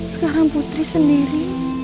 sekarang putri sendiri